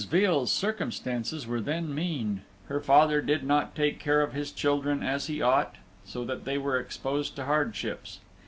Veal's circumstances were then mean; her father did not take care of his children as he ought, so that they were exposed to hardships.